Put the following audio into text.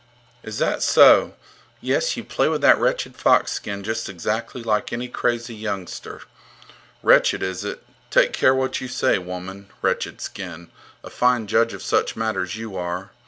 Is that so! Yes, you play with that wretched fox skin just exactly like any crazy youngster. Wretched is it? Take care what you say, woman! Wretched skin! A fine judge of such matters you are!